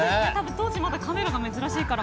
当時はまだカメラが珍しいので。